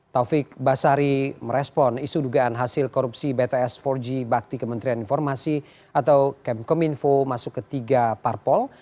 taufik basari merespon isu dugaan hasil korupsi bts empat g bakti kementerian informasi atau kemkominfo masuk ke tiga parpol